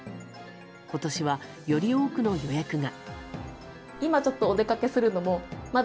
今年は、より多くの予約が。